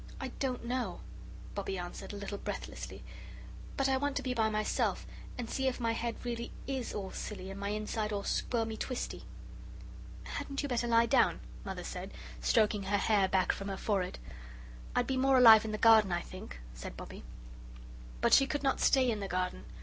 "I DON'T know," Bobbie answered, a little breathlessly, "but I want to be by myself and see if my head really IS all silly and my inside all squirmy twisty." "Hadn't you better lie down?" Mother said, stroking her hair back from her forehead. "I'd be more alive in the garden, I think," said Bobbie. But she could not stay in the garden.